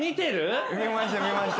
見ました見ました。